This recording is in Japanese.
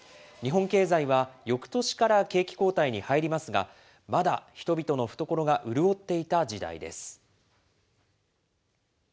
日本経済はよくとしから景気後退に入りますが、まだ人々の懐が潤っていた時代です。